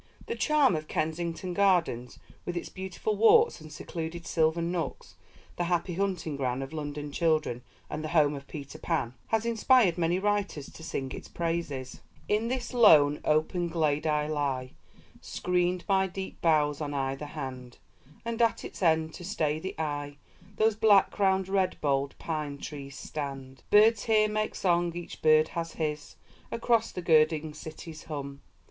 The charm of Kensington Gardens, with its beautiful walks and secluded sylvan nooks the happy hunting ground of London children and the home of 'Peter Pan' has inspired many writers to sing its praises: In this lone, open glade I lie, Screen'd by deep boughs on either hand; And at its end, to stay the eye, Those black crown'd, red boled pine trees stand! Birds here make song, each bird has his, Across the girding city's hum.